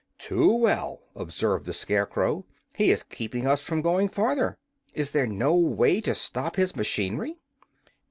"Too well," observed the Scarecrow. "He is keeping us from going farther. Is there no way to stop his machinery?"